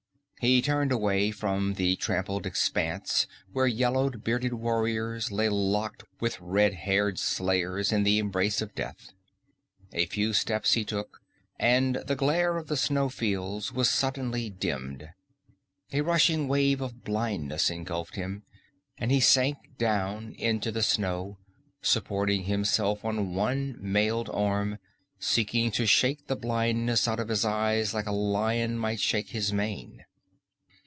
He turned away from the trampled expanse where yellow bearded warriors lay locked with red haired slayers in the embrace of death. A few steps he took, and the glare of the snow fields was suddenly dimmed. A rushing wave of blindness engulfed him, and he sank down into the snow, supporting himself on one mailed arm, seeking to shake the blindness out of his eyes as a lion might shake his mane.